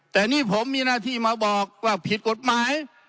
แต่นี่ผมมีหน้าที่มาบอกว่าผิดกฎหมาย